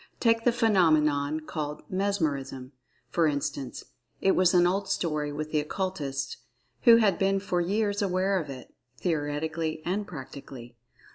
Take the phenomenon called "Mesmerism" for instance—it was an old story with the Occultists, who had been for years aware of it, theoretically and practically.